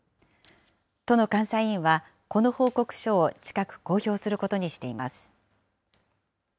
都の監査委員はこの報告書を近く、公表することにしています。